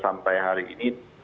sampai hari ini